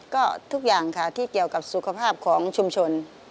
ก็ทุกอย่างค่ะที่เกี่ยวกับสุขภาพของชุมชน